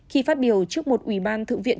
khi phát biểu trước một ủy ban thượng viện